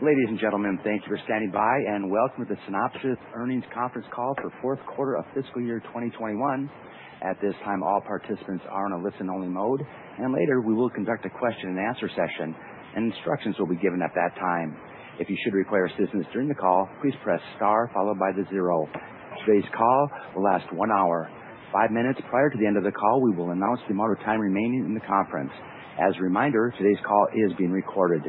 Ladies and gentlemen, thank you for standing by, and welcome to the Synopsys Earnings Conference Call for Fourth Quarter of Fiscal Year 2021. At this time, all participants are in a listen-only mode, and later we will conduct a question and answer session, and instructions will be given at that time. If you should require assistance during the call, please press star followed by the zero. Today's call will last one hour. Five minutes prior to the end of the call, we will announce the amount of time remaining in the conference. As a reminder, today's call is being recorded.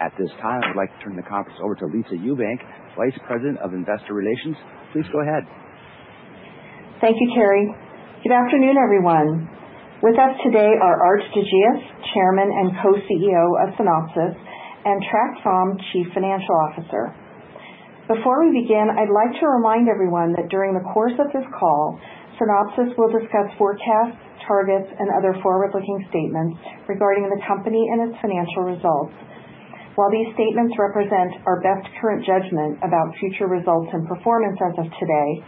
At this time, I would like to turn the conference over to Lisa Ewbank, Vice President of Investor Relations. Please go ahead. Thank you, Terry. Good afternoon, everyone. With us today are Aart de Geus, Chairman and Co-CEO of Synopsys, and Trac Pham, Chief Financial Officer. Before we begin, I'd like to remind everyone that during the course of this call, Synopsys will discuss forecasts, targets, and other forward-looking statements regarding the company and its financial results. While these statements represent our best current judgment about future results and performance as of today,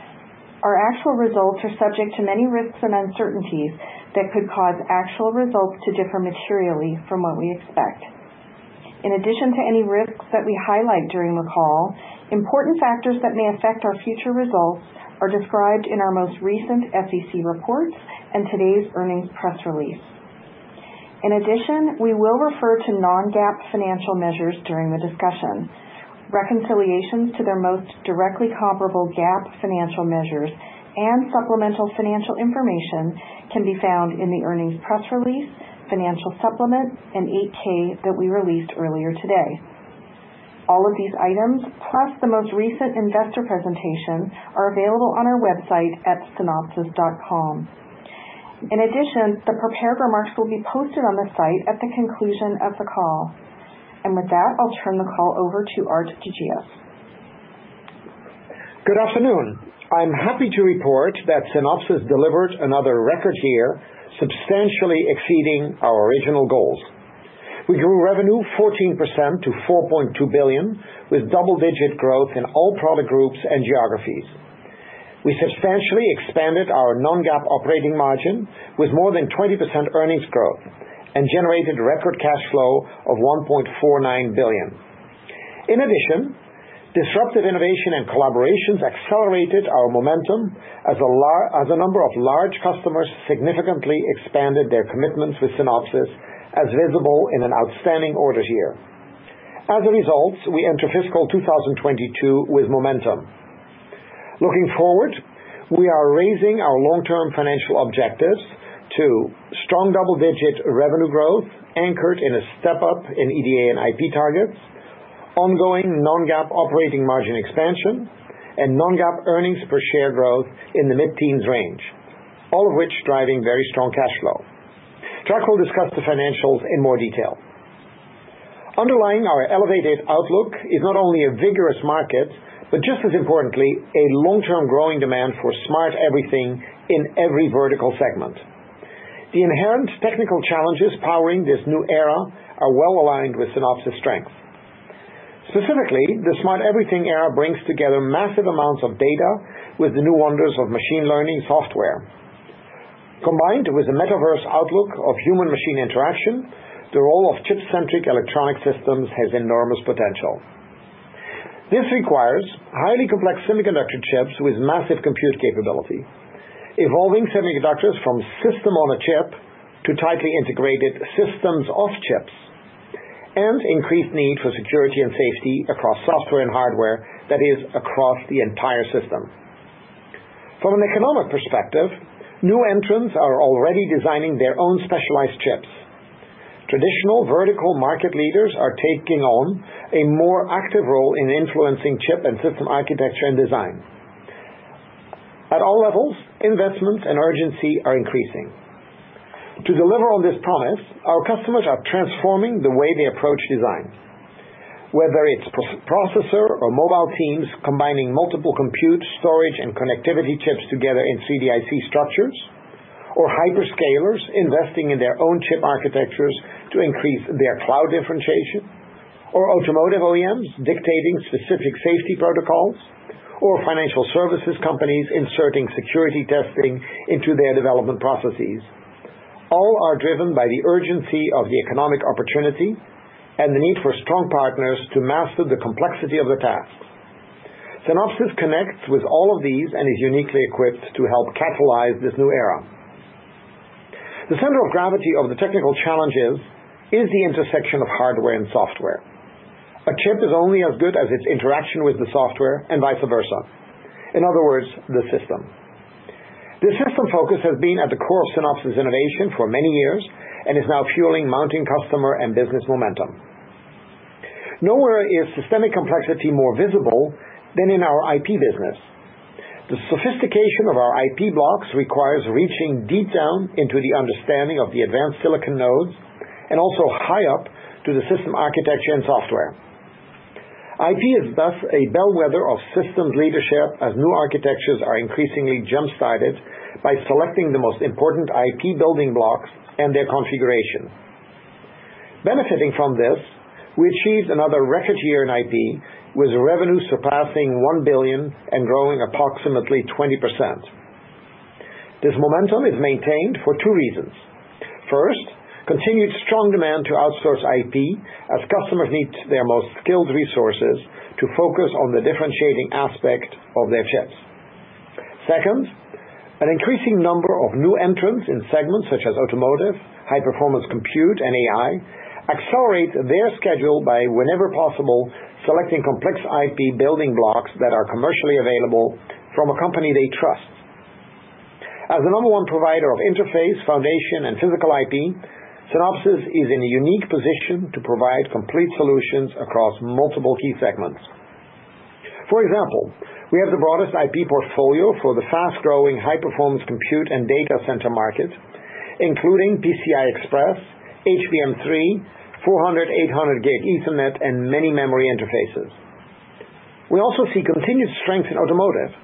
our actual results are subject to many risks and uncertainties that could cause actual results to differ materially from what we expect. In addition to any risks that we highlight during the call, important factors that may affect our future results are described in our most recent SEC reports and today's earnings press release. In addition, we will refer to non-GAAP financial measures during the discussion. Reconciliations to their most directly comparable GAAP financial measures and supplemental financial information can be found in the earnings press release, financial supplement, and 8-K that we released earlier today. All of these items, plus the most recent investor presentation, are available on our website at synopsys.com. In addition, the prepared remarks will be posted on the site at the conclusion of the call. With that, I'll turn the call over to Aart de Geus. Good afternoon. I'm happy to report that Synopsys delivered another record year, substantially exceeding our original goals. We grew revenue 14% to $4.2 billion, with double-digit growth in all product groups and geographies. We substantially expanded our non-GAAP operating margin with more than 20% earnings growth and generated record cash flow of $1.49 billion. In addition, disruptive innovation and collaborations accelerated our momentum as a number of large customers significantly expanded their commitments with Synopsys, as visible in an outstanding order year. As a result, we enter fiscal 2022 with momentum. Looking forward, we are raising our long-term financial objectives to strong double-digit revenue growth anchored in a step-up in EDA and IP targets, ongoing non-GAAP operating margin expansion, and non-GAAP earnings per share growth in the mid-teens range, all of which driving very strong cash flow. Trac will discuss the financials in more detail. Underlying our elevated outlook is not only a vigorous market, but just as importantly, a long-term growing demand for smart everything in every vertical segment. The inherent technical challenges powering this new era are well aligned with Synopsys' strength. Specifically, the smart everything era brings together massive amounts of data with the new wonders of machine learning software. Combined with a metaverse outlook of human machine interaction, the role of chip-centric electronic systems has enormous potential. This requires highly complex semiconductor chips with massive compute capability, evolving semiconductors from system on a chip to tightly integrated systems of chips, and increased need for security and safety across software and hardware, that is, across the entire system. From an economic perspective, new entrants are already designing their own specialized chips. Traditional vertical market leaders are taking on a more active role in influencing chip and system architecture and design. At all levels, investments and urgency are increasing. To deliver on this promise, our customers are transforming the way they approach design, whether it's processor or mobile teams combining multiple compute, storage, and connectivity chips together in 3DIC structures, or hyperscalers investing in their own chip architectures to increase their cloud differentiation, or automotive OEMs dictating specific safety protocols, or financial services companies inserting security testing into their development processes. All are driven by the urgency of the economic opportunity and the need for strong partners to master the complexity of the task. Synopsys connects with all of these and is uniquely equipped to help catalyze this new era. The center of gravity of the technical challenges is the intersection of hardware and software. A chip is only as good as its interaction with the software and vice versa. In other words, the system. The system focus has been at the core of Synopsys innovation for many years and is now fueling mounting customer and business momentum. Nowhere is systemic complexity more visible than in our IP business. The sophistication of our IP blocks requires reaching deep down into the understanding of the advanced silicon nodes and also high up to the system architecture and software. IP is thus a bellwether of systems leadership as new architectures are increasingly jump-started by selecting the most important IP building blocks and their configurations. Benefiting from this, we achieved another record year in IP, with revenue surpassing $1 billion and growing approximately 20%. This momentum is maintained for two reasons. First, continued strong demand to outsource IP as customers need their most skilled resources to focus on the differentiating aspect of their chips. Second, an increasing number of new entrants in segments such as automotive, high performance compute, and AI accelerate their schedule by, whenever possible, selecting complex IP building blocks that are commercially available from a company they trust. As the number one provider of interface, foundation, and physical IP, Synopsys is in a unique position to provide complete solutions across multiple key segments. For example, we have the broadest IP portfolio for the fast-growing high performance compute and data center market, including PCI Express, HBM3, 400, 800 gig Ethernet, and many memory interfaces. We also see continued strength in automotive,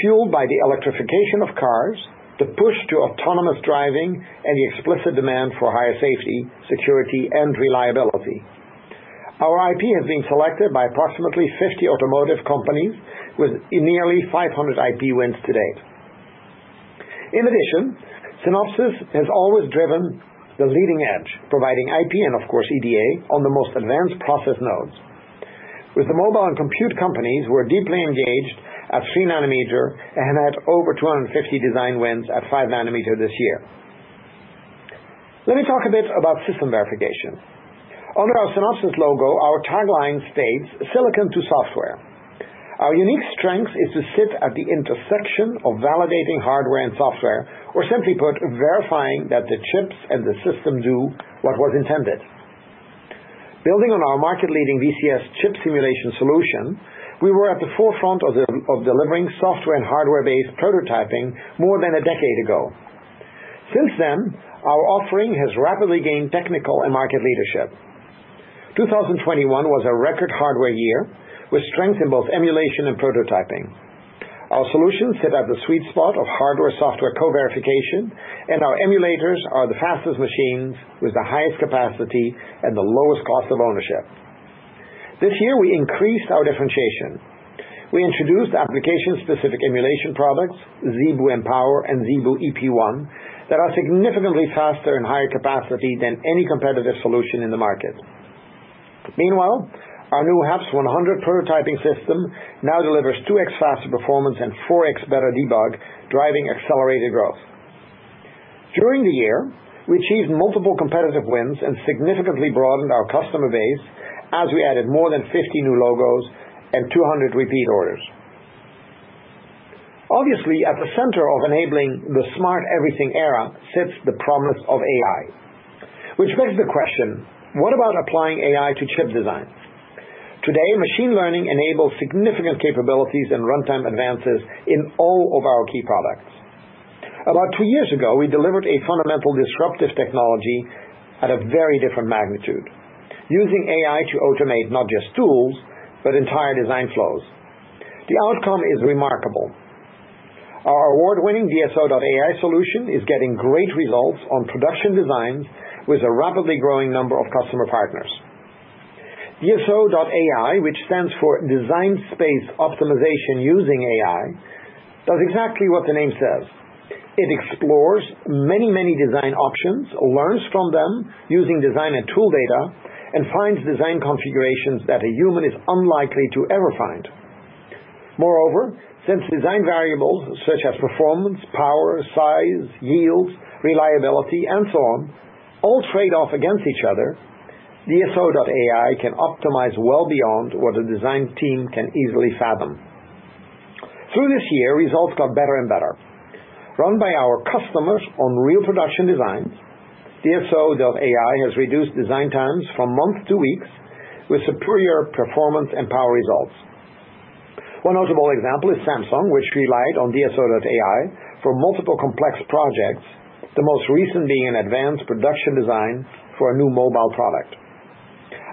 fueled by the electrification of cars, the push to autonomous driving, and the explicit demand for higher safety, security, and reliability. Our IP has been selected by approximately 50 automotive companies with nearly 500 IP wins today. In addition, Synopsys has always driven the leading edge, providing IP and of course EDA on the most advanced process nodes with the mobile and compute companies who are deeply engaged at 3 nanometer and have had over 250 design wins at 5 nanometer this year. Let me talk a bit about system verification. Under our Synopsys logo, our tagline states, "Silicon to software." Our unique strength is to sit at the intersection of validating hardware and software, or simply put, verifying that the chips and the system do what was intended. Building on our market-leading VCS chip simulation solution, we were at the forefront of delivering software and hardware-based prototyping more than a decade ago. Since then, our offering has rapidly gained technical and market leadership. 2021 was a record hardware year with strength in both emulation and prototyping. Our solutions sit at the sweet spot of hardware-software co-verification, and our emulators are the fastest machines with the highest capacity and the lowest cost of ownership. This year, we increased our differentiation. We introduced application-specific emulation products, ZeBu Empower and ZeBu EP1, that are significantly faster and higher capacity than any competitive solution in the market. Meanwhile, our new HAPS-100 prototyping system now delivers 2x faster performance and 4x better debug, driving accelerated growth. During the year, we achieved multiple competitive wins and significantly broadened our customer base as we added more than 50 new logos and 200 repeat orders. Obviously, at the center of enabling the smart everything era sits the promise of AI. Which begs the question, what about applying AI to chip design? Today, machine learning enables significant capabilities and runtime advances in all of our key products. About two years ago, we delivered a fundamental disruptive technology at a very different magnitude, using AI to automate not just tools, but entire design flows. The outcome is remarkable. Our award-winning DSO.ai solution is getting great results on production designs with a rapidly growing number of customer partners. DSO.ai, which stands for Design Space Optimization Using AI, does exactly what the name says. It explores many, many design options, learns from them using design and tool data, and finds design configurations that a human is unlikely to ever find. Moreover, since design variables such as performance, power, size, yields, reliability, and so on all trade off against each other, DSO.ai can optimize well beyond what a design team can easily fathom. Through this year, results got better and better. Run by our customers on real production designs, DSO.ai has reduced design times from months to weeks with superior performance and power results. One notable example is Samsung, which relied on DSO.ai for multiple complex projects, the most recent being an advanced production design for a new mobile product.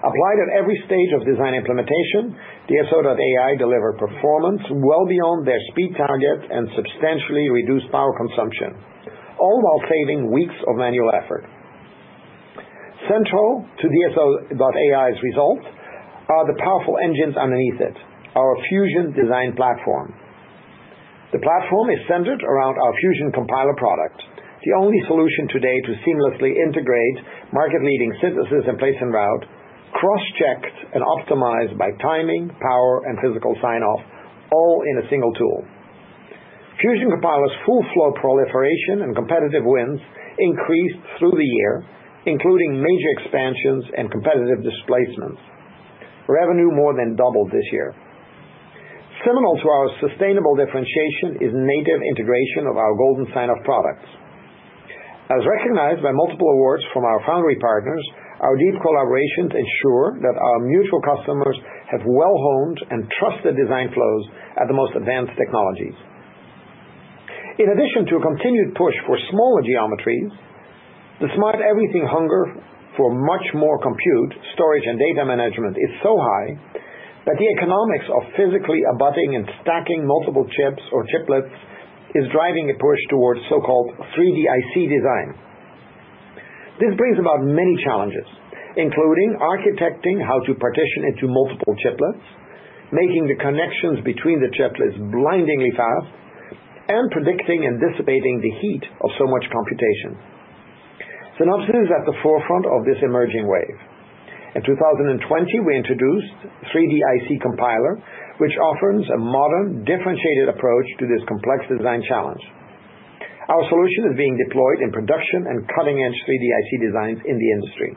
Applied at every stage of design implementation, DSO.ai delivered performance well beyond their speed target and substantially reduced power consumption, all while saving weeks of manual effort. Central to DSO.ai's results are the powerful engines underneath it, our Fusion Design Platform. The platform is centered around our Fusion Compiler product, the only solution today to seamlessly integrate market-leading synthesis and place and route, cross-checked and optimized by timing, power, and physical sign-off, all in a single tool. Fusion Compiler's full flow proliferation and competitive wins increased through the year, including major expansions and competitive displacements. Revenue more than doubled this year. Fundamental to our sustainable differentiation is native integration of our golden sign-off products. As recognized by multiple awards from our foundry partners, our deep collaborations ensure that our mutual customers have well-honed and trusted design flows at the most advanced technologies. In addition to a continued push for smaller geometries, the smart everything hunger for much more compute, storage, and data management is so high that the economics of physically abutting and stacking multiple chips or chiplets is driving a push towards so-called 3D IC design. This brings about many challenges, including architecting how to partition into multiple chiplets, making the connections between the chiplets blindingly fast, and predicting and dissipating the heat of so much computation. Synopsys is at the forefront of this emerging wave. In 2020, we introduced 3DIC Compiler, which offers a modern, differentiated approach to this complex design challenge. Our solution is being deployed in production and cutting-edge 3D IC designs in the industry.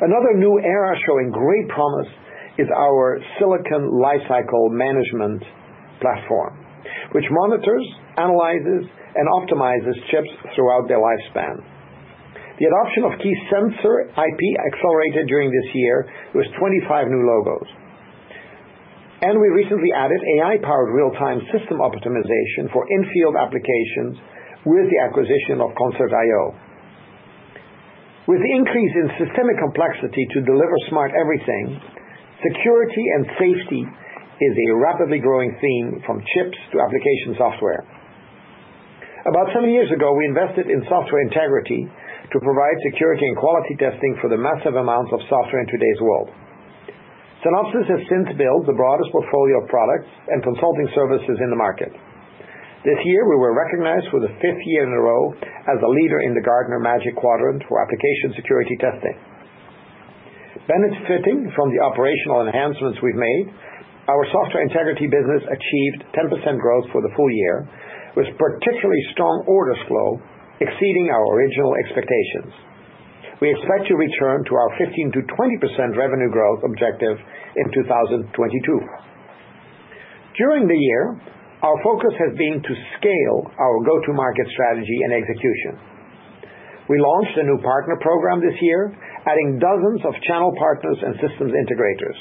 Another new era showing great promise is our silicon lifecycle management platform, which monitors, analyzes, and optimizes chips throughout their lifespan. The adoption of key sensor IP accelerated during this year with 25 new logos. We recently added AI-powered real-time system optimization for in-field applications with the acquisition of Conserv IO. With the increase in systemic complexity to deliver smart everything, security and safety is a rapidly growing theme from chips to application software. About seven years ago, we invested in software integrity to provide security and quality testing for the massive amounts of software in today's world. Synopsys has since built the broadest portfolio of products and consulting services in the market. This year, we were recognized for the fifth year in a row as a leader in the Gartner Magic Quadrant for application security testing. Benefiting from the operational enhancements we've made, our software integrity business achieved 10% growth for the full year, with particularly strong order flow exceeding our original expectations. We expect to return to our 15%-20% revenue growth objective in 2022. During the year, our focus has been to scale our go-to-market strategy and execution. We launched a new partner program this year, adding dozens of channel partners and systems integrators.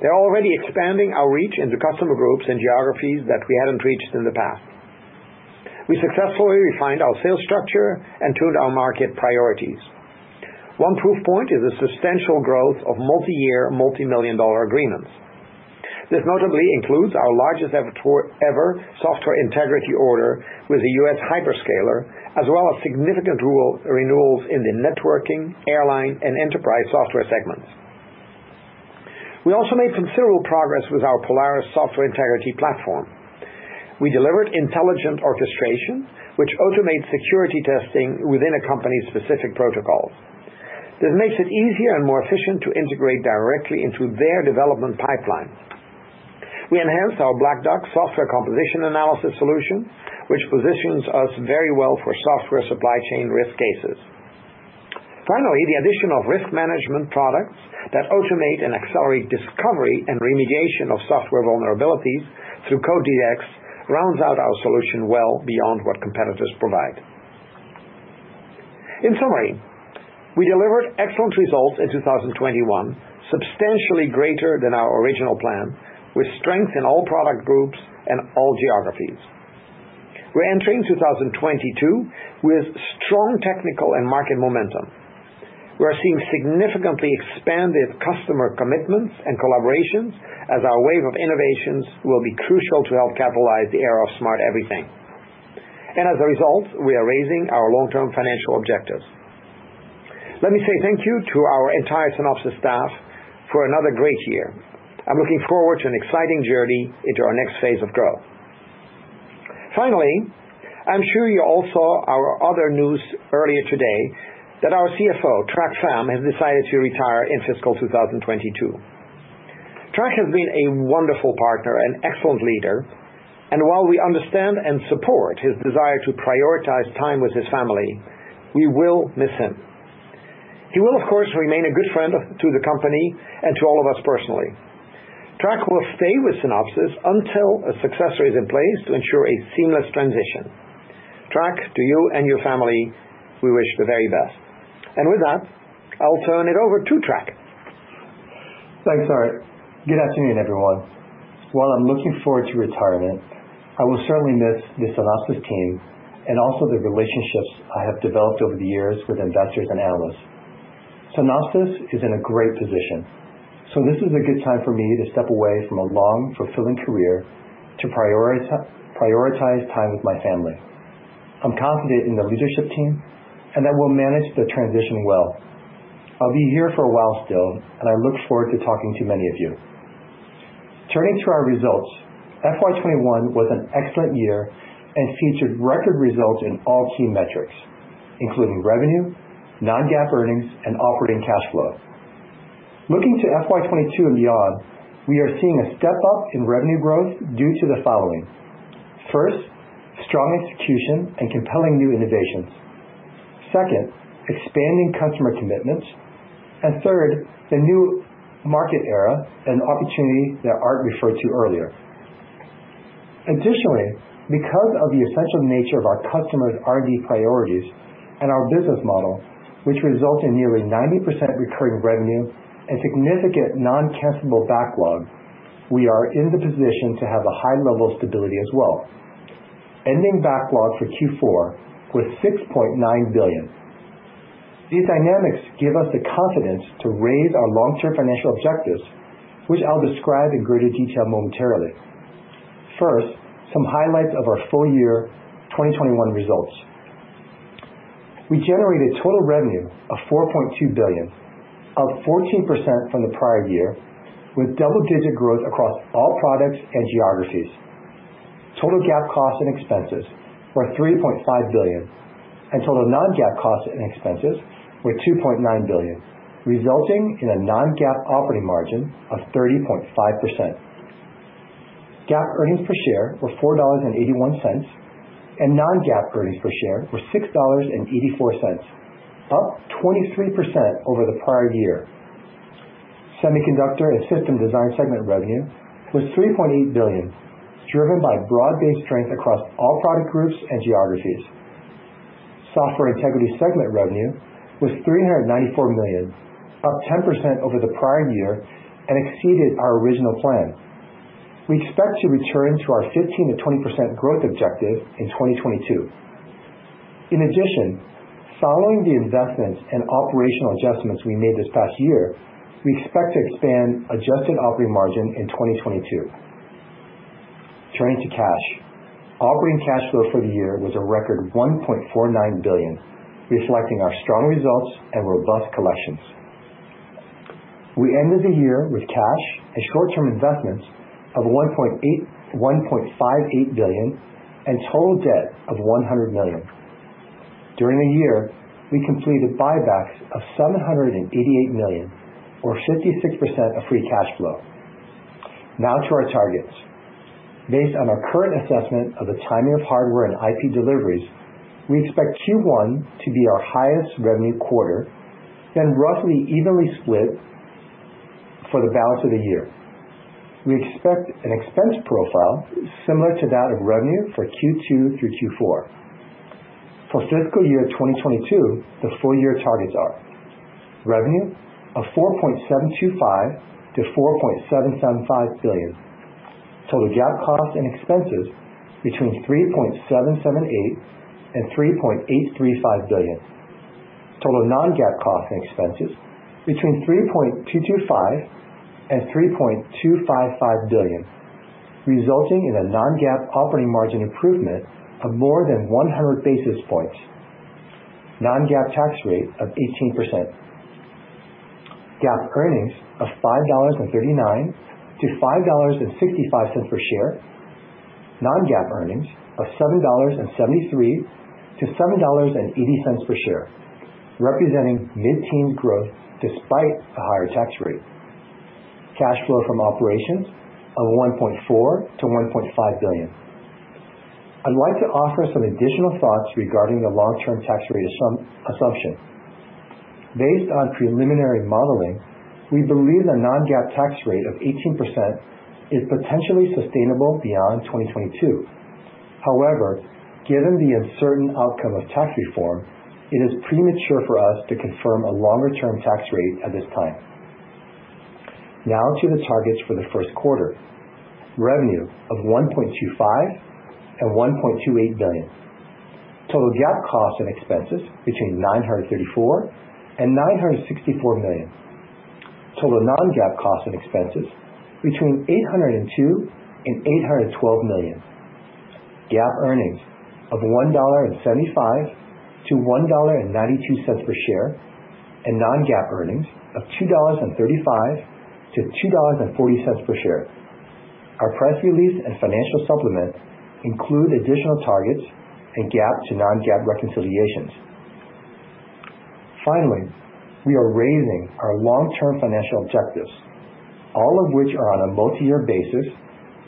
They're already expanding our reach into customer groups and geographies that we hadn't reached in the past. We successfully refined our sales structure and tuned our market priorities. One proof point is the substantial growth of multi-year, multi-million dollar agreements. This notably includes our largest ever software integrity order with a US hyperscaler, as well as significant rule renewals in the networking, airline, and enterprise software segments. We also made considerable progress with our Polaris software integrity platform. We delivered intelligent orchestration, which automates security testing within a company's specific protocols. This makes it easier and more efficient to integrate directly into their development pipeline. We enhanced our Black Duck software composition analysis solution, which positions us very well for software supply chain risk cases. Finally, the addition of risk management products that automate and accelerate discovery and remediation of software vulnerabilities through Code Dx rounds out our solution well beyond what competitors provide. In summary, we delivered excellent results in 2021, substantially greater than our original plan, with strength in all product groups and all geographies. We're entering 2022 with strong technical and market momentum. We are seeing significantly expanded customer commitments and collaborations as our wave of innovations will be crucial to help capitalize the era of smart everything. As a result, we are raising our long-term financial objectives. Let me say thank you to our entire Synopsys staff for another great year. I'm looking forward to an exciting journey into our next phase of growth. Finally, I'm sure you all saw our other news earlier today that our CFO, Trac Pham, has decided to retire in fiscal 2022. Trac has been a wonderful partner and excellent leader, and while we understand and support his desire to prioritize time with his family, we will miss him. He will, of course, remain a good friend to the company and to all of us personally. Trac will stay with Synopsys until a successor is in place to ensure a seamless transition. Trac, to you and your family, we wish the very best. With that, I'll turn it over to Trac. Thanks, Aart. Good afternoon, everyone. While I'm looking forward to retirement, I will certainly miss the Synopsys team and also the relationships I have developed over the years with investors and analysts. Synopsys is in a great position, so this is a good time for me to step away from a long, fulfilling career to prioritize time with my family. I'm confident in the leadership team and that we'll manage the transition well. I'll be here for a while still, and I look forward to talking to many of you. Turning to our results, FY 2021 was an excellent year and featured record results in all key metrics, including revenue, non-GAAP earnings and operating cash flow. Looking to FY 2022 and beyond, we are seeing a step up in revenue growth due to the following. First, strong execution and compelling new innovations. Second, expanding customer commitments. Third, the new market era and opportunity that Aart referred to earlier. Additionally, because of the essential nature of our customers' R&D priorities and our business model, which result in nearly 90% recurring revenue and significant non-cancellable backlog, we are in the position to have a high level of stability as well. Ending backlog for Q4 was $6.9 billion. These dynamics give us the confidence to raise our long-term financial objectives, which I'll describe in greater detail momentarily. First, some highlights of our full-year 2021 results. We generated total revenue of $4.2 billion, up 14% from the prior year, with double-digit growth across all products and geographies. Total GAAP costs and expenses were $3.5 billion and total non-GAAP costs and expenses were $2.9 billion, resulting in a non-GAAP operating margin of 30.5%. GAAP earnings per share were $4.81, and non-GAAP earnings per share were $6.84, up 23% over the prior year. Semiconductor and system design segment revenue was $3.8 billion, driven by broad-based strength across all product groups and geographies. Software integrity segment revenue was $394 million, up 10% over the prior year and exceeded our original plan. We expect to return to our 15%-20% growth objective in 2022. In addition, following the investments and operational adjustments we made this past year, we expect to expand adjusted operating margin in 2022. Turning to cash. Operating cash flow for the year was a record $1.49 billion, reflecting our strong results and robust collections. We ended the year with cash and short-term investments of $1.58 billion and total debt of $100 million. During the year, we completed buybacks of $788 million or 56% of free cash flow. Now to our targets. Based on our current assessment of the timing of hardware and IP deliveries, we expect Q1 to be our highest revenue quarter, then roughly evenly split for the balance of the year. We expect an expense profile similar to that of revenue for Q2 through Q4. For fiscal year 2022, the full year targets are revenue of $4.725-$4.775 billion. Total GAAP costs and expenses between $3.778-$3.835 billion. Total non-GAAP costs and expenses between $3.225 billion-$3.255 billion, resulting in a non-GAAP operating margin improvement of more than 100 basis points. Non-GAAP tax rate of 18%. GAAP earnings of $5.39-$5.65 per share. Non-GAAP earnings of $7.73-$7.80 per share, representing mid-teen growth despite the higher tax rate. Cash flow from operations of $1.4 billion-$1.5 billion. I'd like to offer some additional thoughts regarding the long-term tax rate assumption. Based on preliminary modeling, we believe a non-GAAP tax rate of 18% is potentially sustainable beyond 2022. However, given the uncertain outcome of tax reform, it is premature for us to confirm a longer term tax rate at this time. Now to the targets for the first quarter. Revenue of $1.25 billion-$1.28 billion. Total GAAP costs and expenses between $934 million and $964 million. Total non-GAAP costs and expenses between $802 million and $812 million. GAAP earnings of $1.75-$1.92 per share, and non-GAAP earnings of $2.35-$2.40 per share. Our press release and financial supplement include additional targets and GAAP to non-GAAP reconciliations. Finally, we are raising our long-term financial objectives, all of which are on a multi-year basis,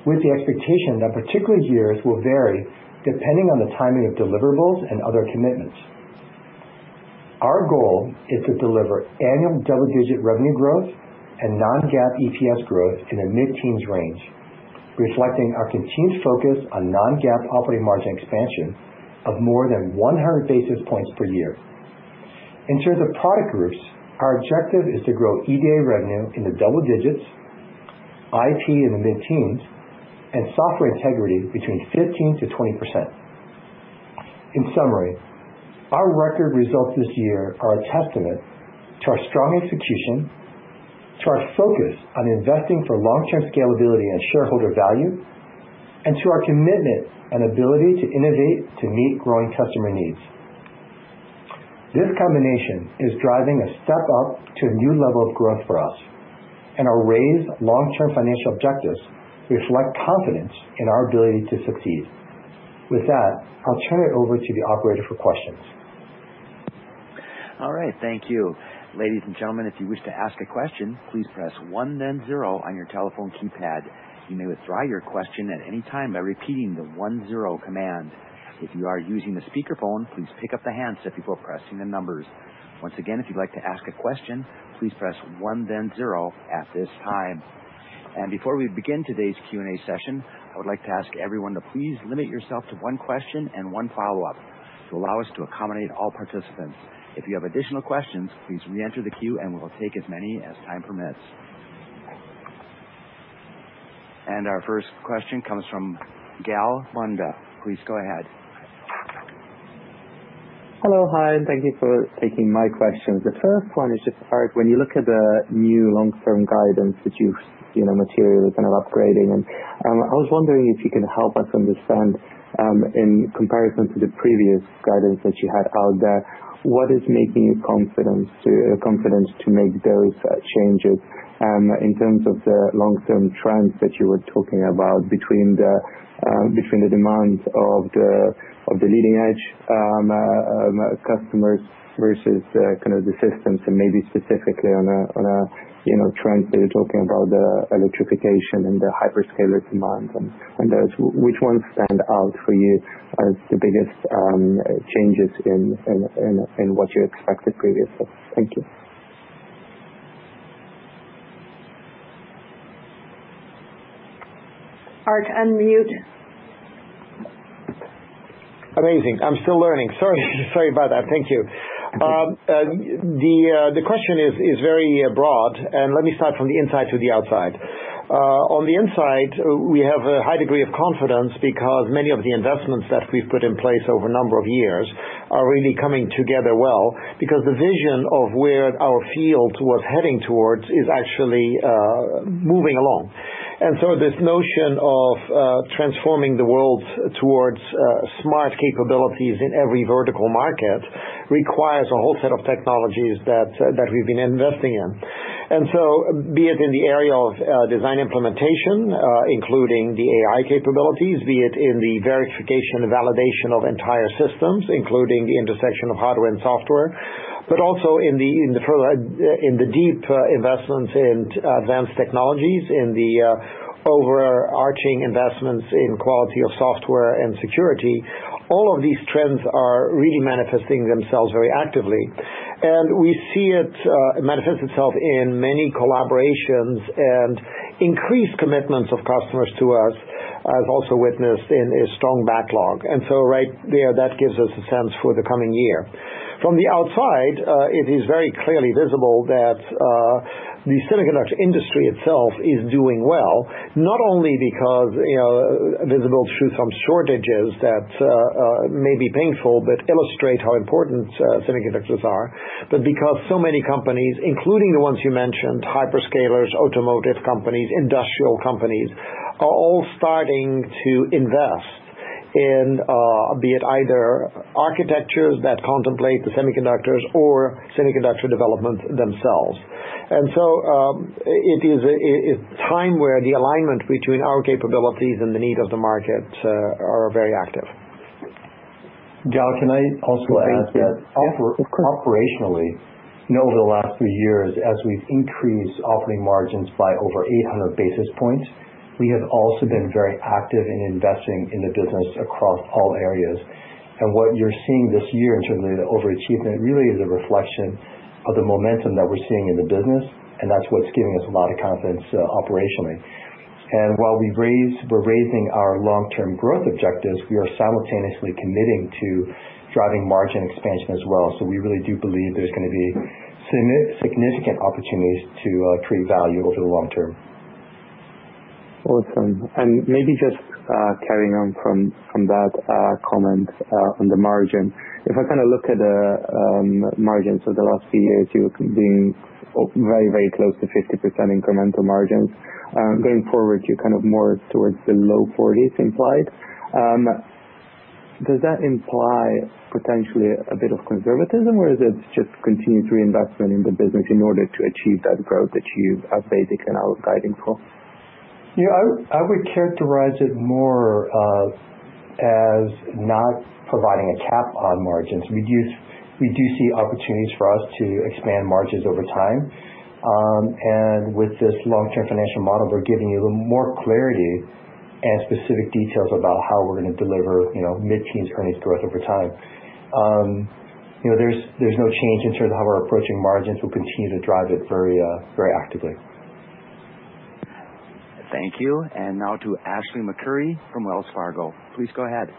with the expectation that particular years will vary depending on the timing of deliverables and other commitments. Our goal is to deliver annual double-digit revenue growth and non-GAAP EPS growth in the mid-teens range, reflecting our continued focus on non-GAAP operating margin expansion of more than 100 basis points per year. In terms of product groups, our objective is to grow EDA revenue in the double digits, IT in the mid-teens, and software integrity between 15%-20%. In summary, our record results this year are a testament to our strong execution, to our focus on investing for long-term scalability and shareholder value, and to our commitment and ability to innovate to meet growing customer needs. This combination is driving a step up to a new level of growth for us and our raised long-term financial objectives reflect confidence in our ability to succeed. With that, I'll turn it over to the operator for questions. All right. Thank you. Ladies and gentlemen, if you wish to ask a question, please press one then zero on your telephone keypad. You may withdraw your question at any time by repeating the one zero command. If you are using the speakerphone, please pick up the handset before pressing the numbers. Once again, if you'd like to ask a question, please press one then zero at this time. Before we begin today's Q&A session, I would like to ask everyone to please limit yourself to one question and one follow-up to allow us to accommodate all participants. If you have additional questions, please re-enter the queue and we will take as many as time permits. Our first question comes from Gal Munda. Please go ahead. Hello. Hi, and thank you for taking my questions. The first one is just, Aart, when you look at the new long-term guidance that you've, you know, materially kind of upgrading and. I was wondering if you can help us understand, in comparison to the previous guidance that you had out there, what is making you confident to make those changes, in terms of the long-term trends that you were talking about between the demands of the leading edge customers versus kind of the systems and maybe specifically on a, you know, trends that you're talking about, the electrification and the hyperscaler demands and those, which ones stand out for you as the biggest changes in what you expected previously? Thank you. Aart, unmute. Amazing. I'm still learning. Sorry about that. Thank you. Okay. The question is very broad, and let me start from the inside to the outside. On the inside, we have a high degree of confidence because many of the investments that we've put in place over a number of years are really coming together well because the vision of where our field was heading towards is actually moving along. This notion of transforming the world towards smart capabilities in every vertical market requires a whole set of technologies that we've been investing in. Be it in the area of design implementation, including the AI capabilities, be it in the verification and validation of entire systems, including the intersection of hardware and software, but also in the deep investments in advanced technologies, in the overarching investments in quality of software and security. All of these trends are really manifesting themselves very actively. We see it manifest itself in many collaborations and increased commitments of customers to us, as also witnessed in a strong backlog. Right there, that gives us a sense for the coming year. From the outside, it is very clearly visible that the semiconductor industry itself is doing well, not only because, you know, visible through some shortages that may be painful, but illustrate how important semiconductors are, but because so many companies, including the ones you mentioned, hyperscalers, automotive companies, industrial companies, are all starting to invest in be it either architectures that contemplate the semiconductors or semiconductor developments themselves. It is a time where the alignment between our capabilities and the need of the market are very active. Gal, can I also add that. Thank you. Oper- Yeah, of course. Operationally, you know, over the last three years, as we've increased operating margins by over 800 basis points, we have also been very active in investing in the business across all areas. What you're seeing this year, and certainly the overachievement really is a reflection of the momentum that we're seeing in the business, and that's what's giving us a lot of confidence operationally. While we're raising our long-term growth objectives, we are simultaneously committing to driving margin expansion as well. We really do believe there's gonna be significant opportunities to create value over the long term. Awesome. Maybe just carrying on from that comment on the margin. If I kind of look at the margins of the last few years, you've been very close to 50% incremental margins. Going forward, you're kind of more towards the low 40s% implied. Does that imply potentially a bit of conservatism, or is it just continued reinvestment in the business in order to achieve that growth that you have baked in our guiding for? You know, I would characterize it more of as not providing a cap on margins. We do see opportunities for us to expand margins over time. With this long-term financial model, we're giving you more clarity and specific details about how we're gonna deliver, you know, mid-teens earnings growth over time. You know, there's no change in terms of how we're approaching margins. We'll continue to drive it very actively. Thank you. Now to Ashley McEvoy from Wells Fargo. Please go ahead.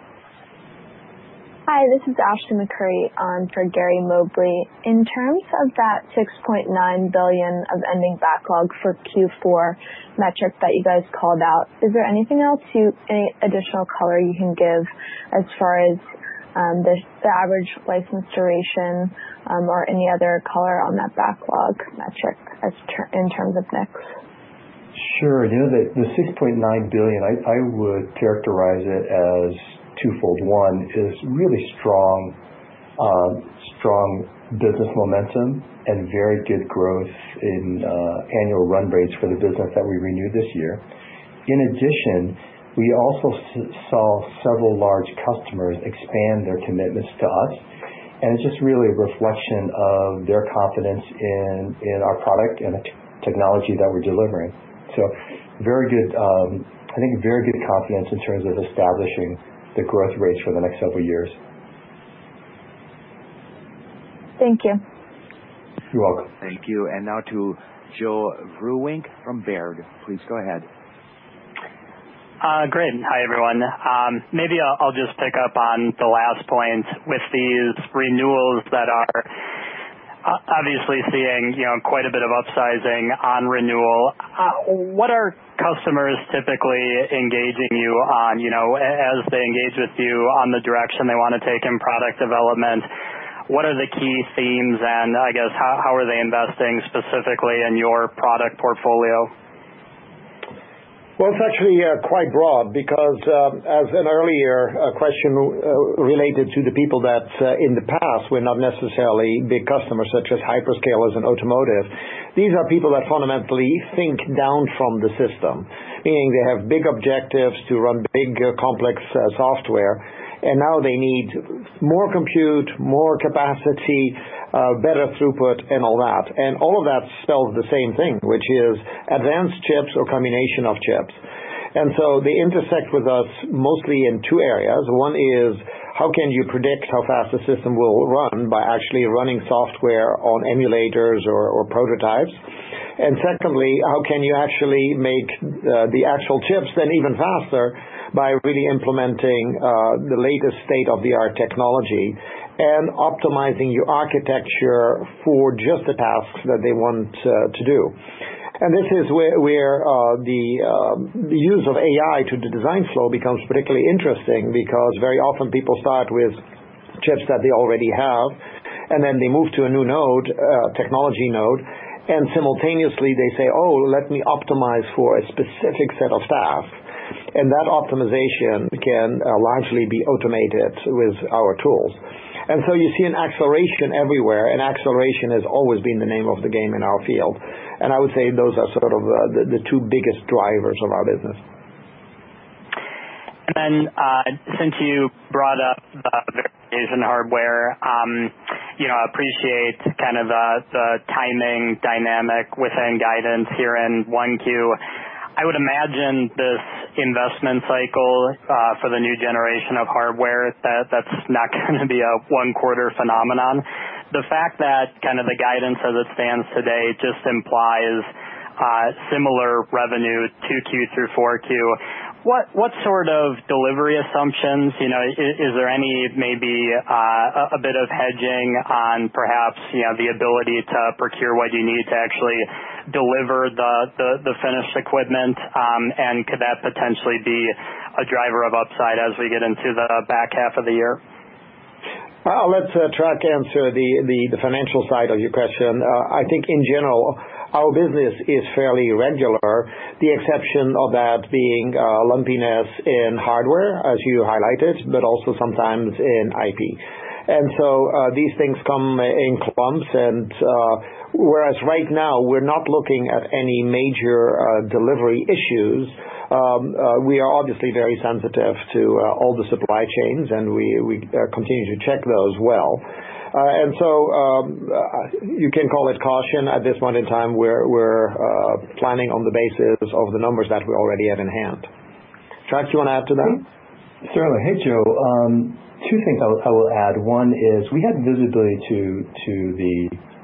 Hi, this is Ashley McEvoy for Gary Mobley. In terms of that $6.9 billion of ending backlog for Q4 metric that you guys called out, is there anything else? Any additional color you can give as far as the average license duration or any other color on that backlog metric in terms of mix? Sure. You know, the $6.9 billion, I would characterize it as twofold. One is really strong business momentum and very good growth in annual run rates for the business that we renewed this year. In addition, we also saw several large customers expand their commitments to us, and it's just really a reflection of their confidence in our product and the technology that we're delivering. Very good, I think very good confidence in terms of establishing the growth rates for the next several years. Thank you. You're welcome. Thank you. Now to Joe Vruwink from Baird. Please go ahead. Great. Hi, everyone. Maybe I'll just pick up on the last point with these renewals that are Obviously seeing, you know, quite a bit of upsizing on renewal. What are customers typically engaging you on? You know, as they engage with you on the direction they wanna take in product development, what are the key themes? I guess, how are they investing specifically in your product portfolio? Well, it's actually quite broad because as an earlier question related to the people that in the past were not necessarily big customers such as hyperscalers and automotive. These are people that fundamentally think down from the system, meaning they have big objectives to run big complex software, and now they need more compute, more capacity, better throughput and all that. All of that spells the same thing, which is advanced chips or combination of chips. They intersect with us mostly in two areas. One is how can you predict how fast the system will run by actually running software on emulators or prototypes. Secondly, how can you actually make the actual chips then even faster by really implementing the latest state-of-the-art technology and optimizing your architecture for just the tasks that they want to do. This is where the use of AI to the design flow becomes particularly interesting because very often people start with chips that they already have, and then they move to a new node, technology node, and simultaneously they say, "Oh, let me optimize for a specific set of tasks." That optimization can largely be automated with our tools. You see an acceleration everywhere, and acceleration has always been the name of the game in our field. I would say those are sort of the two biggest drivers of our business. Since you brought up the emulation hardware, you know, appreciate kind of the timing dynamic within guidance here in Q1. I would imagine this investment cycle for the new generation of hardware, that's not gonna be a one quarter phenomenon. The fact that kind of the guidance as it stands today just implies similar revenue Q2 through Q4. What sort of delivery assumptions, you know, is there any maybe a bit of hedging on perhaps, you know, the ability to procure what you need to actually deliver the finished equipment? Could that potentially be a driver of upside as we get into the back half of the year? Well, let's try to answer the financial side of your question. I think in general, our business is fairly regular. The exception of that being lumpiness in hardware, as you highlighted, but also sometimes in IP. These things come in clumps, whereas right now we're not looking at any major delivery issues, we are obviously very sensitive to all the supply chains, and we continue to check those well. You can call it caution at this point in time, we're planning on the basis of the numbers that we already have in hand. Trac, do you wanna add to that? Certainly. Hey, Joe. Two things I will add. One is we have visibility to the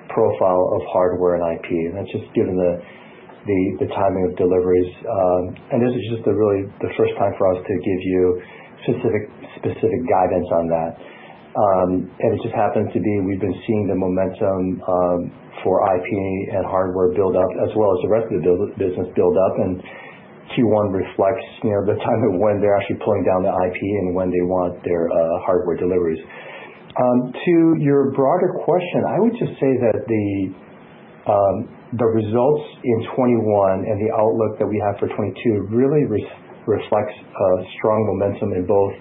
profile of hardware and IP, and that's just given the timing of deliveries. This is just really the first time for us to give you specific guidance on that. It just happens to be we've been seeing the momentum for IP and hardware build up as well as the rest of the business build up, and Q1 reflects you know the time of when they're actually pulling down the IP and when they want their hardware deliveries. To your broader question, I would just say that the results in 2021 and the outlook that we have for 2022 really reflects a strong momentum in both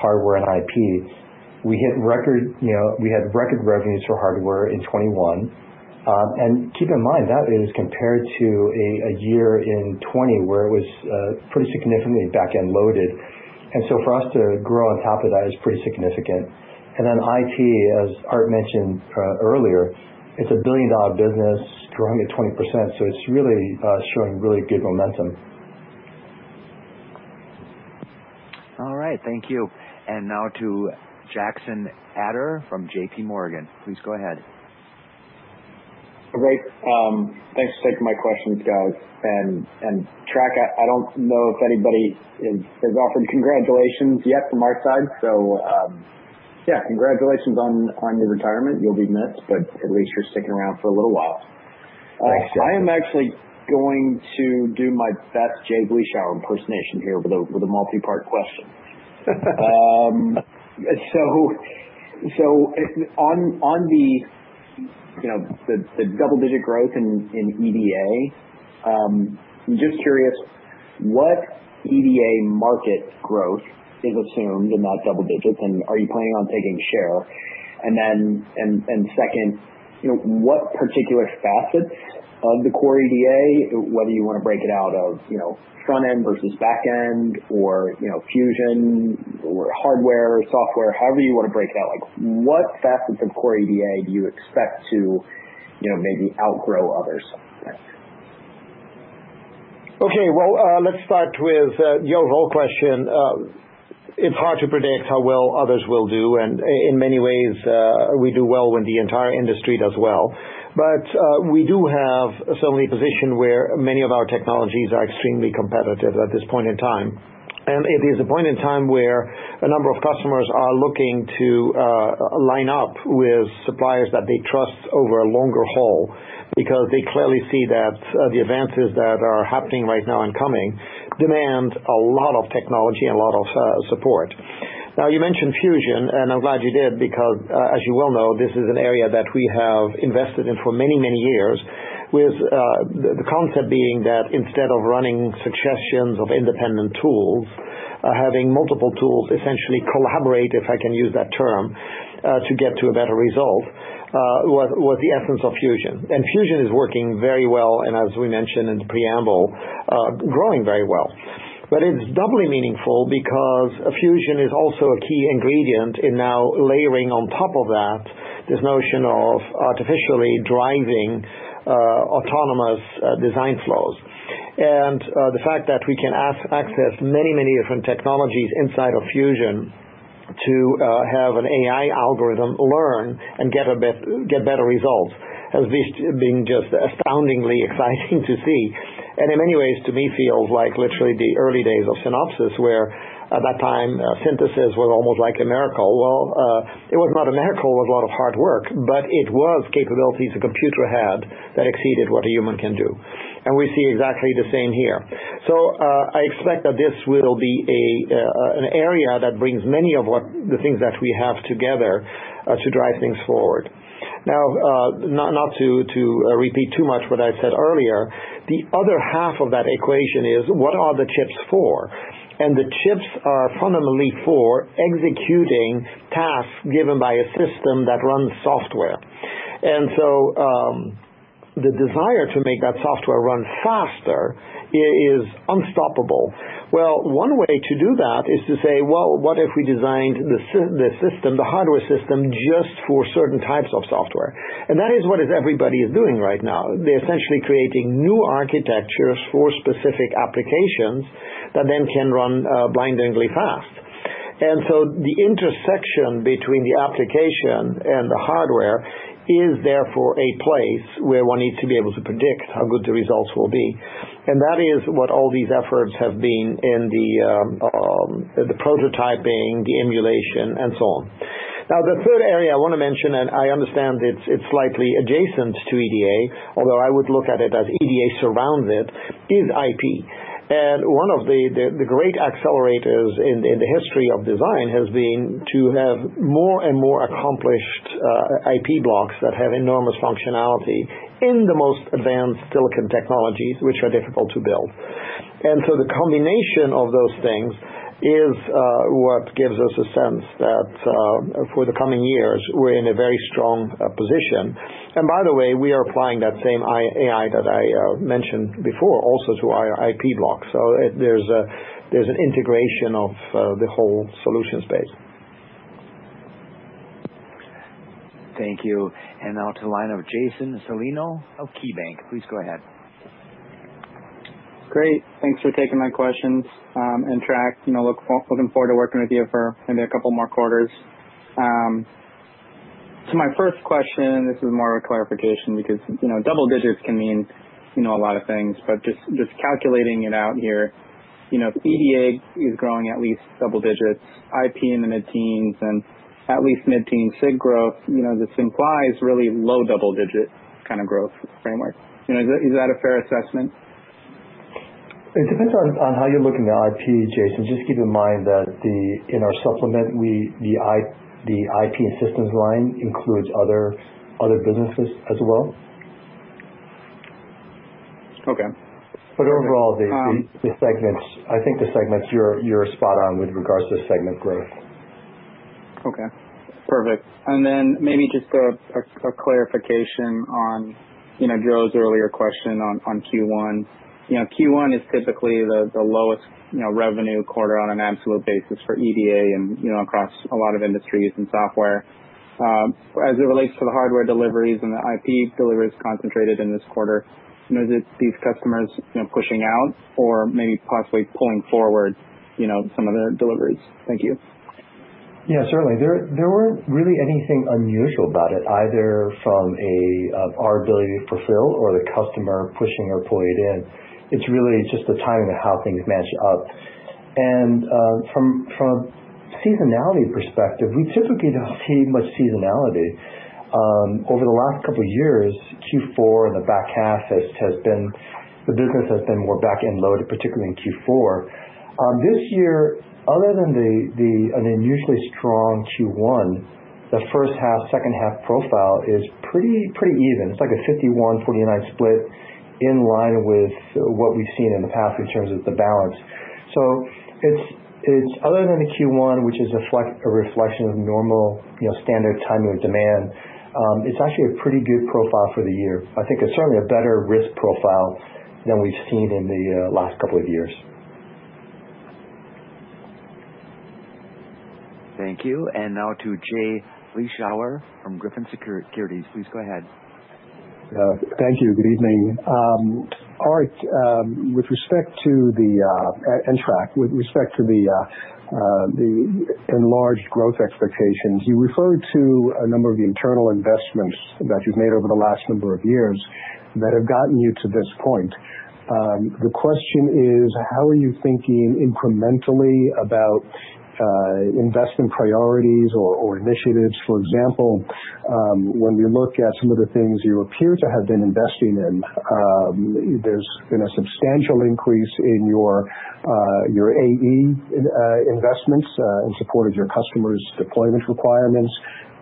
hardware and IP. We hit record, you know, we had record revenues for hardware in 2021. Keep in mind that is compared to a year in 2020 where it was pretty significantly back-end loaded. For us to grow on top of that is pretty significant. Then IP, as Art mentioned earlier, it's a billion-dollar business growing at 20%, so it's really showing really good momentum. All right. Thank you. Now to Jackson Ader from JPMorgan. Please go ahead. Great. Thanks for taking my questions, guys. Trac, I don't know if anybody has offered congratulations yet from our side. Yeah, congratulations on your retirement. You'll be missed, but at least you're sticking around for a little while. Thanks, Jackson. I am actually going to do my best Jay Vleeschhouwer impersonation here with a multi-part question. On the you know the double-digit growth in EDA, I'm just curious what EDA market growth is assumed in that double digits, and are you planning on taking share? Second, you know, what particular facet of the core EDA, whether you wanna break it out of, you know, front-end versus back-end or, you know, fusion or hardware or software, however you wanna break it out, like what facets of core EDA do you expect to, you know, maybe outgrow others? Okay. Well, let's start with your whole question. It's hard to predict how well others will do, and in many ways, we do well when the entire industry does well. We do have certainly a position where many of our technologies are extremely competitive at this point in time. It is a point in time where a number of customers are looking to line up with suppliers that they trust over a longer haul because they clearly see that the advances that are happening right now and coming demand a lot of technology and a lot of support. Now, you mentioned Fusion, and I'm glad you did because as you well know, this is an area that we have invested in for many, many years with the concept being that instead of running a succession of independent tools, having multiple tools essentially collaborate, if I can use that term, to get to a better result, was the essence of Fusion. Fusion is working very well, and as we mentioned in the preamble, growing very well. It's doubly meaningful because Fusion is also a key ingredient in now layering on top of that, this notion of artificially driving autonomous design flows. The fact that we can access many, many different technologies inside of Fusion to have an AI algorithm learn and get better results has just been astoundingly exciting to see. In many ways, to me, it feels like literally the early days of Synopsys, where at that time, synthesis was almost like a miracle. Well, it was not a miracle. It was a lot of hard work, but it was capabilities a computer had that exceeded what a human can do. We see exactly the same here. I expect that this will be an area that brings many of the things that we have together to drive things forward. Now, not to repeat too much what I said earlier, the other half of that equation is what are the chips for? The chips are fundamentally for executing tasks given by a system that runs software. The desire to make that software run faster is unstoppable. Well, one way to do that is to say, "Well, what if we designed the system, the hardware system, just for certain types of software?" That is what everybody is doing right now. They're essentially creating new architectures for specific applications that then can run blindingly fast. The intersection between the application and the hardware is therefore a place where one needs to be able to predict how good the results will be. That is what all these efforts have been in the prototyping, the emulation, and so on. Now, the third area I wanna mention, and I understand it's slightly adjacent to EDA, although I would look at it as EDA surrounded, is IP. One of the great accelerators in the history of design has been to have more and more accomplished IP blocks that have enormous functionality in the most advanced silicon technologies, which are difficult to build. The combination of those things is what gives us a sense that for the coming years, we're in a very strong position. By the way, we are applying that same AI that I mentioned before also to our IP block. There's an integration of the whole solution space. Thank you. Now to the line of Jason Celino of KeyBanc. Please go ahead. Great. Thanks for taking my questions. Trac, you know, looking forward to working with you for maybe a couple more quarters. My first question, this is more of a clarification because, you know, double digits can mean, you know, a lot of things, but just calculating it out here. You know, if EDA is growing at least double digits, IP in the mid-teens and at least mid-teen SIG growth, you know, this implies really low double-digit kinda growth framework. You know, is that a fair assessment? It depends on how you're looking at IP, Jason. Just keep in mind that in our supplement, the IP assistance line includes other businesses as well. Okay. Overall, the segments, I think you're spot on with regards to segment growth. Okay. Perfect. Then maybe just a clarification on, you know, Joe's earlier question on Q1. You know, Q1 is typically the lowest, you know, revenue quarter on an absolute basis for EDA and, you know, across a lot of industries and software. As it relates to the hardware deliveries and the IP deliveries concentrated in this quarter, you know, is it these customers, you know, pushing out or maybe possibly pulling forward, you know, some of their deliveries? Thank you. Yeah, certainly. There weren't really anything unusual about it, either from our ability to fulfill or the customer pushing or pulling it in. It's really just the timing of how things match up. From a seasonality perspective, we typically don't see much seasonality. Over the last couple of years, Q4 and the back half, the business has been more back-end loaded, particularly in Q4. This year, other than an unusually strong Q1, the first half, second half profile is pretty even. It's like a 51-49 split in line with what we've seen in the past in terms of the balance. It's other than the Q1, which is a reflection of normal, you know, standard timing demand. It's actually a pretty good profile for the year. I think it's certainly a better risk profile than we've seen in the last couple of years. Thank you. Now to Jay. Jay Vleeschhouwer from Griffin Securities. Please go ahead. Thank you. Good evening. Aart, with respect to the enlarged growth expectations, you referred to a number of the internal investments that you've made over the last number of years that have gotten you to this point. The question is, how are you thinking incrementally about investment priorities or initiatives, for example, when we look at some of the things you appear to have been investing in, there's been a substantial increase in your AE investments in support of your customers' deployment requirements.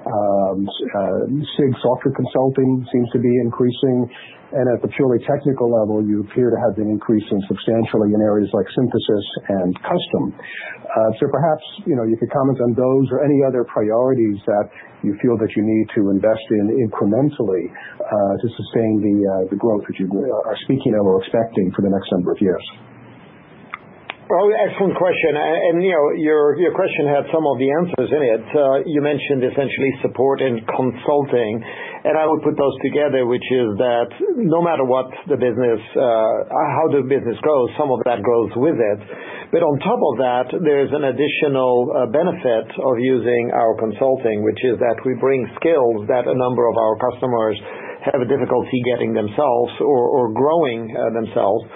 SIG software consulting seems to be increasing, and at the purely technical level, you appear to have been increasing substantially in areas like synthesis and custom. Perhaps, you know, you could comment on those or any other priorities that you feel that you need to invest in incrementally to sustain the growth that you are speaking of or expecting for the next number of years. Well, excellent question, and you know, your question had some of the answers in it. You mentioned essentially support and consulting, and I would put those together, which is that no matter what the business, how the business grows, some of that grows with it. On top of that, there's an additional benefit of using our consulting, which is that we bring skills that a number of our customers have difficulty getting themselves or growing themselves.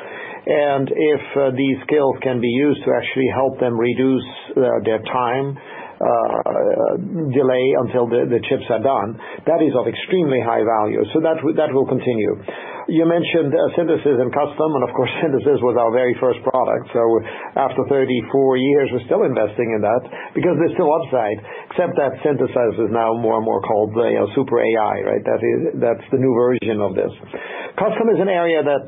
If these skills can be used to actually help them reduce their time delay until the chips are done, that is of extremely high value. That will continue. You mentioned synthesis and custom, and of course, synthesis was our very first product. After 34 years, we're still investing in that because there's still upside, except that synthesis is now more and more called the super AI, right? That is, that's the new version of this. Custom is an area that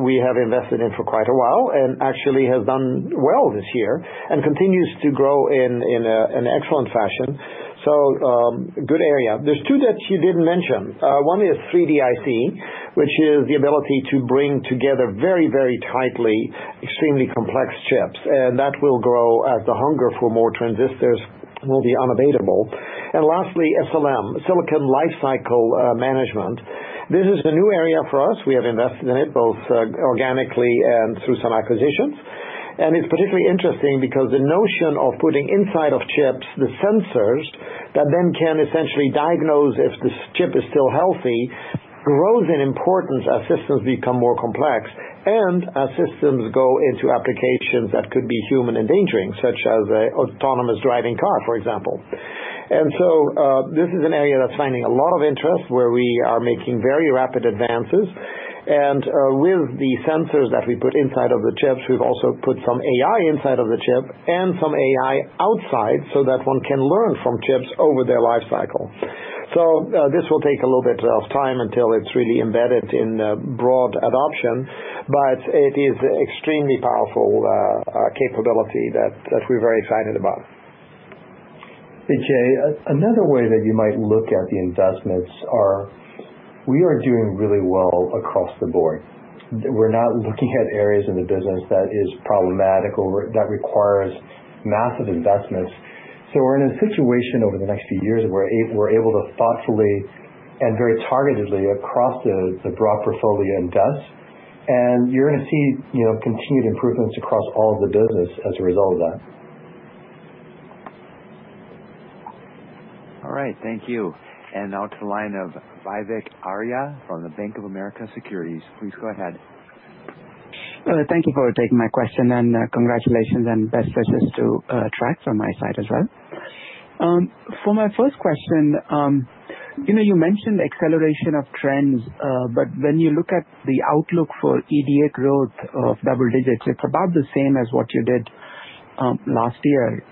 we have invested in for quite a while and actually has done well this year and continues to grow in an excellent fashion. Good area. There's two that you didn't mention. One is 3D IC, which is the ability to bring together very, very tightly extremely complex chips, and that will grow as the hunger for more transistors will be unavailable. Lastly, SLM, Silicon Lifecycle Management. This is a new area for us. We have invested in it both organically and through some acquisitions. It's particularly interesting because the notion of putting inside of chips the sensors that then can essentially diagnose if this chip is still healthy, grows in importance as systems become more complex and as systems go into applications that could be human endangering, such as an autonomous driving car, for example. This is an area that's finding a lot of interest, where we are making very rapid advances. With the sensors that we put inside of the chips, we've also put some AI inside of the chip and some AI outside so that one can learn from chips over their life cycle. This will take a little bit of time until it's really embedded in broad adoption, but it is extremely powerful capability that we're very excited about. Vivek, another way that you might look at the investments are we are doing really well across the board. We're not looking at areas in the business that is problematic or that requires massive investments. We're in a situation over the next few years where we're able to thoughtfully and very targetedly across the broad portfolio invest, and you're gonna see, you know, continued improvements across all the business as a result of that. All right. Thank you. Now to the line of Vivek Arya from the Bank of America Securities. Please go ahead. Thank you for taking my question, and congratulations and best wishes to Trac from my side as well. For my first question, you know, you mentioned acceleration of trends, but when you look at the outlook for EDA growth of double digits, it's about the same as what you did last year.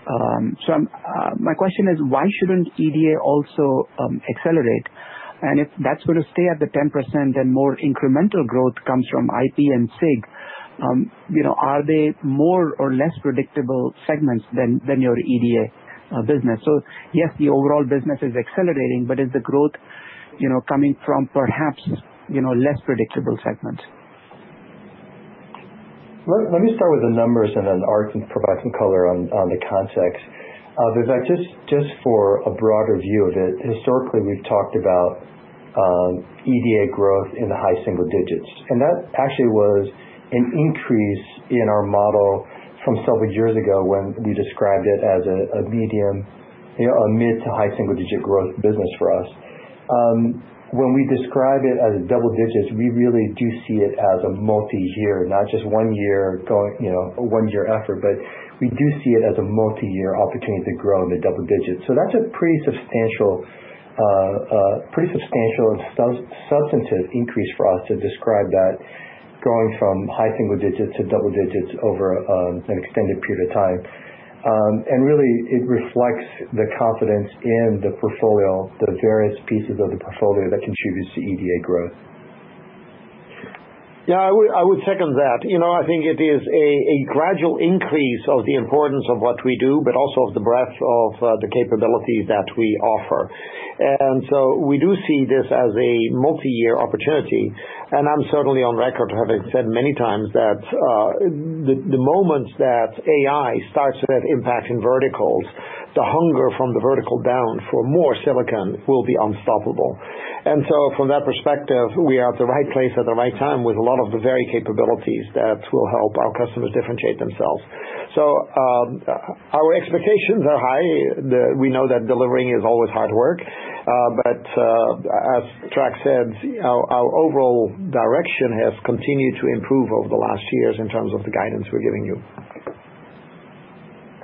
My question is, why shouldn't EDA also accelerate? And if that's gonna stay at the 10%, then more incremental growth comes from IP and SIG. You know, are they more or less predictable segments than your EDA business? Yes, the overall business is accelerating, but is the growth, you know, coming from perhaps, you know, less predictable segments? Let me start with the numbers and then Art can provide some color on the context. Vivek, just for a broader view of it, historically, we've talked about EDA growth in the high single digits, and that actually was an increase in our model from several years ago when we described it as a medium, you know, a mid to high single digit growth business for us. When we describe it as double digits, we really do see it as a multiyear, not just one year going, you know, a one-year effort, but we do see it as a multiyear opportunity to grow in the double digits. That's a pretty substantial substantive increase for us to describe that growing from high single digits to double digits over an extended period of time. Really it reflects the confidence in the portfolio, the various pieces of the portfolio that contributes to EDA growth. Yeah, I would second that. You know, I think it is a gradual increase of the importance of what we do, but also of the breadth of the capabilities that we offer. We do see this as a multiyear opportunity, and I'm certainly on record having said many times that the moment that AI starts to have impact in verticals, the hunger from the vertical down for more silicon will be unstoppable. From that perspective, we are at the right place at the right time with a lot of the very capabilities that will help our customers differentiate themselves. Our expectations are high. We know that delivering is always hard work. As Trac said, our overall direction has continued to improve over the last years in terms of the guidance we're giving you.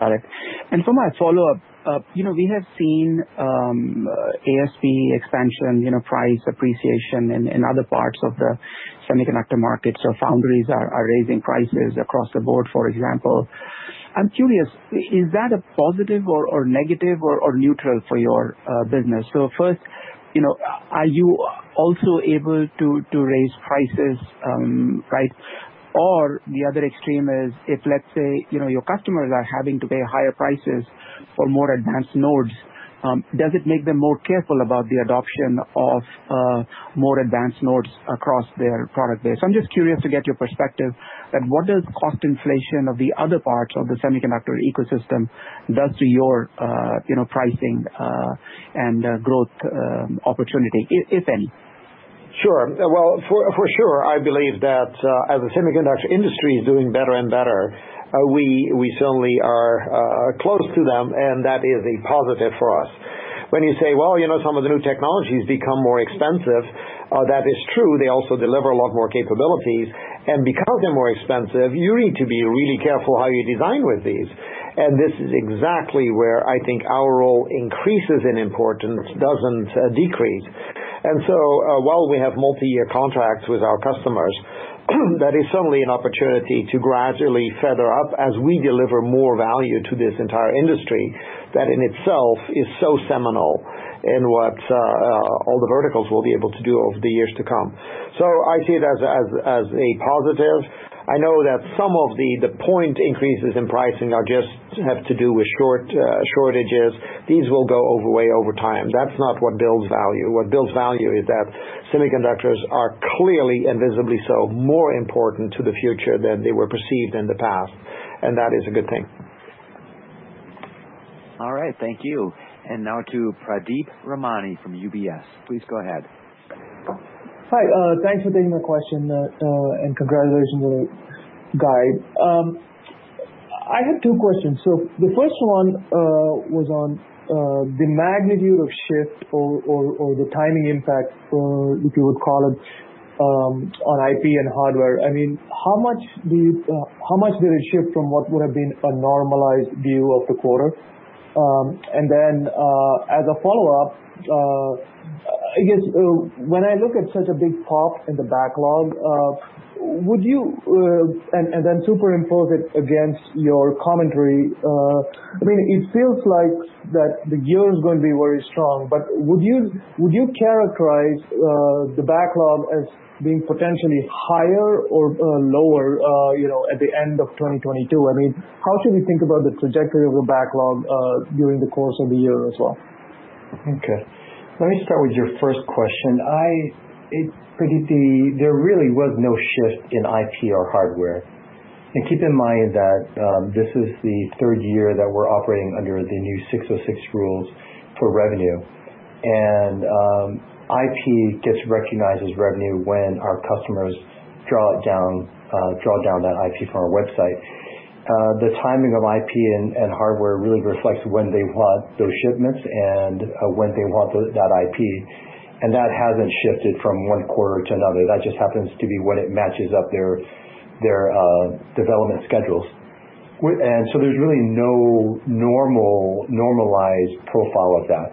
Got it. For my follow-up, you know, we have seen ASP expansion, you know, price appreciation in other parts of the semiconductor market. Foundries are raising prices across the board, for example. I'm curious, is that a positive or negative or neutral for your business? First, you know, are you also able to raise prices, right? The other extreme is, let's say, you know, your customers are having to pay higher prices for more advanced nodes, does it make them more careful about the adoption of more advanced nodes across their product base? I'm just curious to get your perspective on what does cost inflation of the other parts of the semiconductor ecosystem does to your, you know, pricing and growth opportunity, if any. Sure. Well, for sure, I believe that as the semiconductor industry is doing better and better, we certainly are close to them, and that is a positive for us. When you say, well, you know, some of the new technologies become more expensive, that is true. They also deliver a lot more capabilities. Because they're more expensive, you need to be really careful how you design with these. This is exactly where I think our role increases in importance, doesn't decrease. While we have multi-year contracts with our customers, that is certainly an opportunity to gradually feather up as we deliver more value to this entire industry that in itself is so seminal in what all the verticals will be able to do over the years to come. I see it as a positive. I know that some of the point increases in pricing are just due to short shortages. These will go away over time. That's not what builds value. What builds value is that semiconductors are clearly and visibly so more important to the future than they were perceived in the past, and that is a good thing. All right. Thank you. Now to Pradeep Ramani from UBS. Please go ahead. Hi, thanks for taking my question, and congratulations on the guide. I had two questions. The first one was on the magnitude of shift or the timing impact, if you would call it, on IP and hardware. I mean, how much did it shift from what would have been a normalized view of the quarter? As a follow-up, I guess, when I look at such a big pop in the backlog, would you and then superimpose it against your commentary, I mean, it feels like that the year is gonna be very strong, but would you characterize the backlog as being potentially higher or lower, you know, at the end of 2022? I mean, how should we think about the trajectory of a backlog, during the course of the year as well? Okay. Let me start with your first question. Pradeep, there really was no shift in IP or hardware. Keep in mind that this is the third year that we're operating under the new 606 rules for revenue. IP gets recognized as revenue when our customers draw down that IP from our website. The timing of IP and hardware really reflects when they want those shipments and when they want that IP. That hasn't shifted from one quarter to another. That just happens to be when it matches up their development schedules. There's really no normal, normalized profile of that.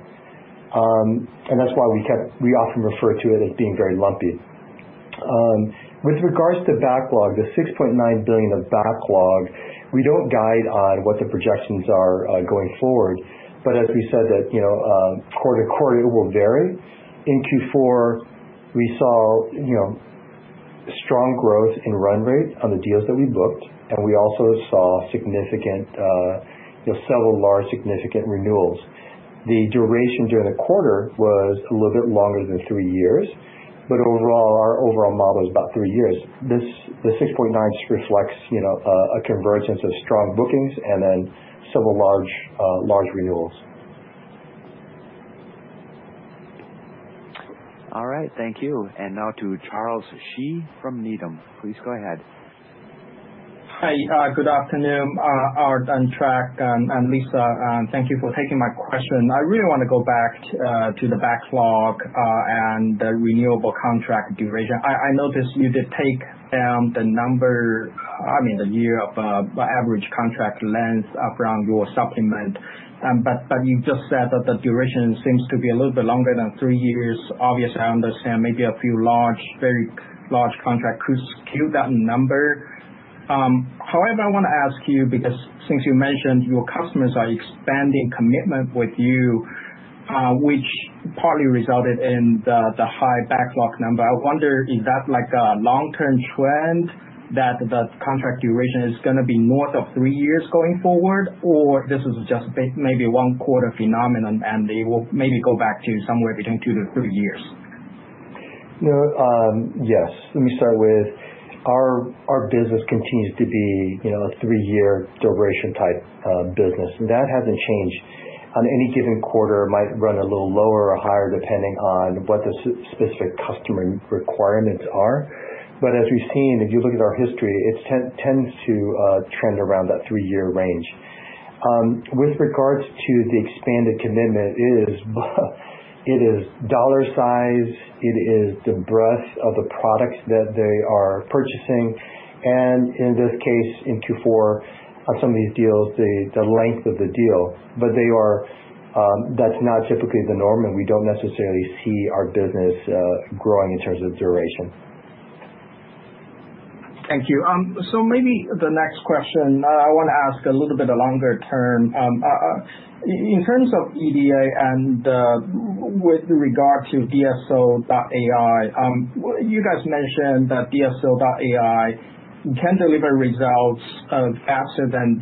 That's why we often refer to it as being very lumpy. With regards to backlog, the $6.9 billion of backlog, we don't guide on what the projections are, going forward. As we said that, you know, quarter to quarter will vary. In Q4, we saw, you know, strong growth in run rate on the deals that we booked, and we also saw significant, you know, several large significant renewals. The duration during the quarter was a little bit longer than three years, but overall, our overall model is about three years. This, the $6.9 billion reflects, you know, a convergence of strong bookings and then several large renewals. All right. Thank you. Now to Charles Shi from Needham and Company. Please go ahead. Hi, good afternoon, Aart and Trac, and Lisa, thank you for taking my question. I really wanna go back to the backlog and the renewable contract duration. I noticed you did take down the number, I mean, the year of the average contract length around your supplement. You just said that the duration seems to be a little bit longer than three years. Obviously, I understand maybe a few large, very large contract could skew that number. However, I wanna ask you, because since you mentioned your customers are expanding commitment with you, which partly resulted in the high backlog number, I wonder is that like a long-term trend that the contract duration is gonna be north of three years going forward, or this is just maybe one quarter phenomenon, and they will maybe go back to somewhere between two to three years? You know, yes. Let me start with our business continues to be, you know, a three-year duration type, business, and that hasn't changed. On any given quarter, it might run a little lower or higher depending on what the specific customer requirements are. As we've seen, if you look at our history, it tends to trend around that three-year range. With regards to the expanded commitment, it is dollar size, it is the breadth of the products that they are purchasing, and in this case, in Q4, on some of these deals, the length of the deal. That's not typically the norm, and we don't necessarily see our business growing in terms of duration. Thank you. Maybe the next question, I wanna ask a little bit longer term. In terms of EDA and with regard to DSO.ai, you guys mentioned that DSO.ai can deliver results faster than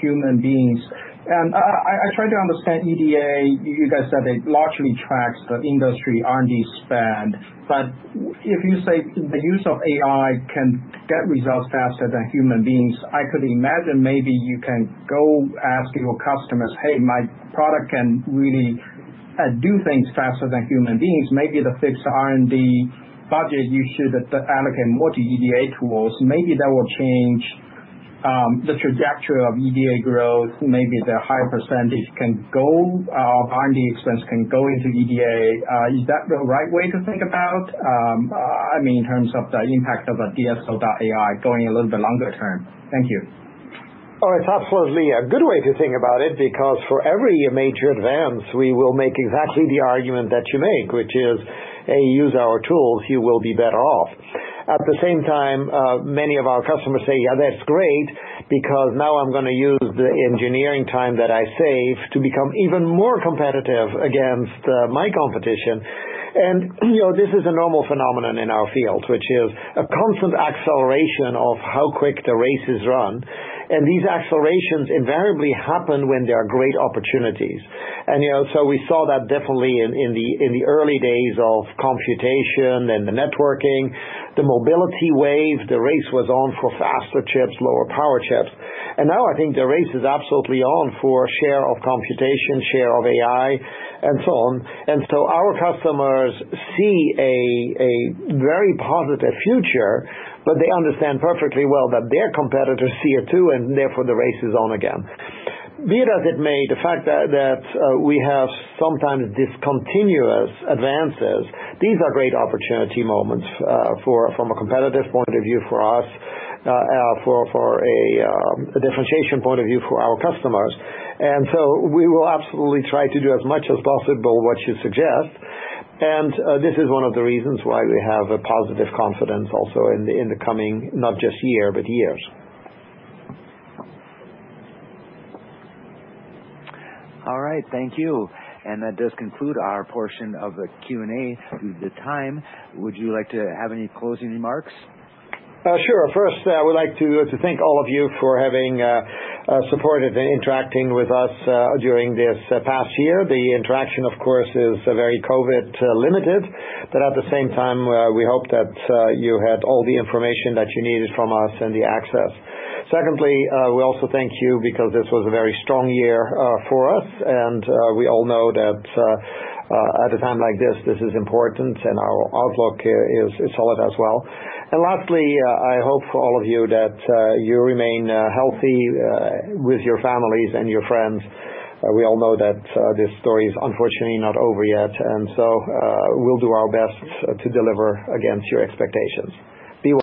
human beings. I try to understand EDA. You guys said it largely tracks the industry R&D spend. But if you say the use of AI can get results faster than human beings, I could imagine maybe you can go ask your customers, "Hey, my product can really do things faster than human beings. Maybe the fixed R&D budget you should allocate more to EDA tools." Maybe that will change the trajectory of EDA growth. Maybe the higher percentage can go, R&D expense can go into EDA. Is that the right way to think about, I mean, in terms of the impact of a DSO.ai going a little bit longer term? Thank you. Oh, it's absolutely a good way to think about it because for every major advance, we will make exactly the argument that you make, which is, use our tools, you will be better off. At the same time, many of our customers say, "Yeah, that's great, because now I'm gonna use the engineering time that I save to become even more competitive against my competition." You know, this is a normal phenomenon in our field, which is a constant acceleration of how quick the race is run. These accelerations invariably happen when there are great opportunities. You know, so we saw that definitely in the early days of computation and the networking. The mobility wave, the race was on for faster chips, lower power chips. Now I think the race is absolutely on for share of computation, share of AI, and so on. Our customers see a very positive future, but they understand perfectly well that their competitors see it, too, and therefore the race is on again. Be that as it may, the fact that we have sometimes discontinuous advances, these are great opportunity moments, from a competitive point of view for us, for a differentiation point of view for our customers. We will absolutely try to do as much as possible what you suggest. This is one of the reasons why we have a positive confidence also in the coming not just year, but years. All right. Thank you. That does conclude our portion of the Q&A due to time. Would you like to have any closing remarks? Sure. First, I would like to thank all of you for having supported and interacting with us during this past year. The interaction, of course, is very COVID limited, but at the same time, we hope that you had all the information that you needed from us and the access. Secondly, we also thank you because this was a very strong year for us, and we all know that at a time like this is important, and our outlook is solid as well. Lastly, I hope for all of you that you remain healthy with your families and your friends. We all know that this story is unfortunately not over yet. We'll do our best to deliver against your expectations. Be well.